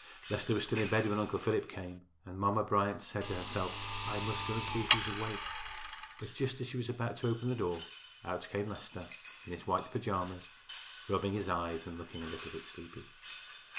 Leicester was still in bed when Uncle Philip came, and Mamma Bryant said to herself, "I must go and see if he is awake." But just as she was about to open the door, out came Leicester in his white pajamas, rubbing his eyes and looking a little bit sleepy.